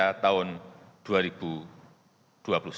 dan juga bantuan kembali ke indonesia